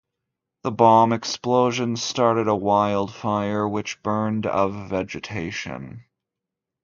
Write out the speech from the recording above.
The bomb explosion started a wildfire which burned of vegetation.